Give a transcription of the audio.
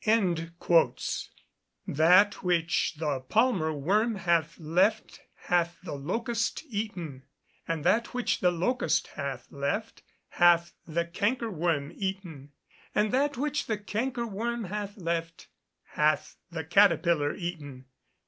[Verse: "That which the palmer worm hath left hath the locust eaten; and that which the locust hath left hath the canker worm eaten; and that which the canker worm hath left hath the caterpillar eaten."